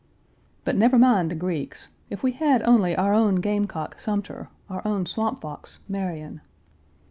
But never mind the Greeks; if we had only our own Game Cock, Sumter, our own Swamp Fox, Marion.